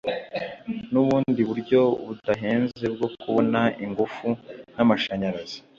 n'ubundi buryo budahenze bwo kubona ingufu n'amashanyarazi.